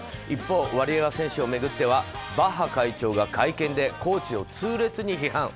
一方、ワリエワ選手を巡ってはバッハ会長が会見でコーチを痛烈に批判。